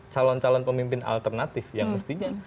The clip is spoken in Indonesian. calon calon pemimpin alternatif yang mestinya